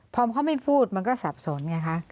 พอเขาไม่พูดมันก็สับสนไงคะ